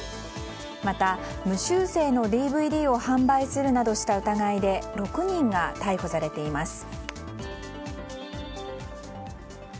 また、無修正のＤＶＤを販売するなどした疑いで６人が逮捕されています。